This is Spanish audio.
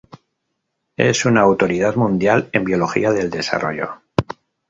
Es una autoridad mundial en Biología del desarrollo.